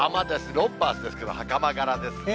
ロンパースですけど、はかま柄ですよね。